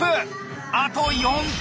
あと４点！